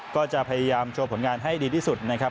ก็จะพยายามโชว์ผลงานให้ดีที่สุดนะครับ